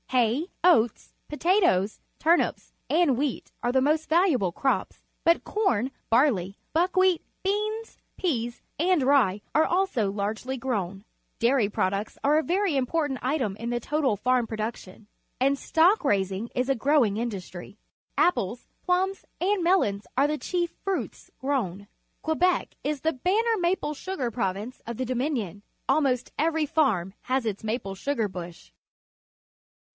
Ha}% oats^ potatoes, turnips, and wheat are the most valuable crops, but corn, barley, buckwheat, beans, peas, and rye are also largely grown. Dairy products are a very important item in the total farm production, and stock raising is a growing industry. Apples, plums, and mel ons are the chief fruits grown. Quebec is the banner maple sugar province of the Dominion. Almost every farm has its maple sugar bush.